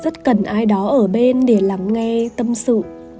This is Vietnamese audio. vì vậy rất cần ai đó ở bên để lắng nghe tâm sự